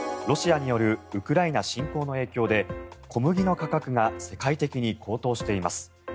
ロシアによるウクライナ侵攻の影響で小麦の価格が世界的に高騰しています。